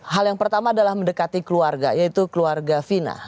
hal yang pertama adalah mendekati keluarga yaitu keluarga fina